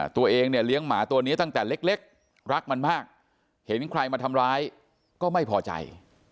ตัวเองเนี่ยเลี้ยงหมาตัวนี้ตั้งแต่เล็กรักมันมากเห็นใครมาทำร้ายก็ไม่พอใจ